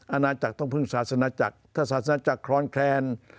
อาณาจักรต้องพึ่งศาสนาจักรถ้าศาสนาจักรคลอนแคลน